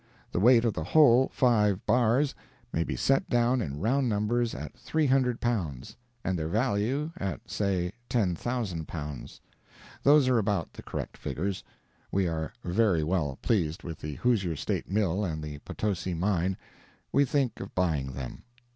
The weight of the whole five bars may be set down in round numbers at 300 pounds, and their value, at say, $10,000. Those are about the correct figures. We are very well pleased with the Hoosier State mill and the Potosi mine—we think of buying them.